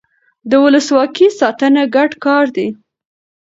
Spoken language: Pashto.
د ولسواکۍ ساتنه ګډ کار دی